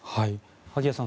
萩谷さん